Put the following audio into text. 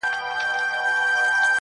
له یوسف څخه به غواړم د خوبونو تعبیرونه٫